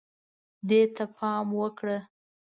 دې ته پام وکړه